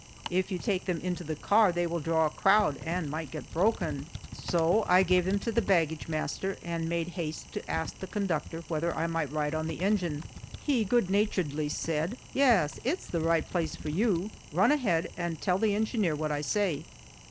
If you take them into the car they will draw a crowd and might get broken." So I gave them to the baggage master and made haste to ask the conductor whether I might ride on the engine. He good naturedly said: "Yes, it's the right place for you. Run ahead, and tell the engineer what I say."